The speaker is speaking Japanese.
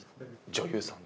女優さん。